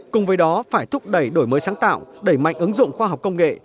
cùng với đó phải thúc đẩy đổi mới sáng tạo đẩy mạnh ứng dụng khoa học công nghệ